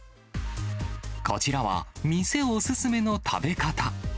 こちらは店お勧めの食べ方。